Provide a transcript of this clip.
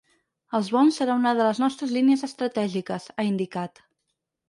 “Els bons serà una de les nostres línies estratègiques”, ha indicat.